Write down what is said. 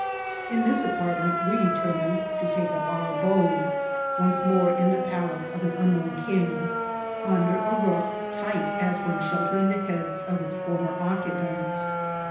In this apartment we determined to take up our abode, once more in the palace of an unknown king, and under 432 INCIDENTS OF TRAVEL. a roof tight as when sheltering the heads of its former occupants.